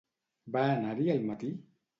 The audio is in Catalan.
Va anar-hi al matí?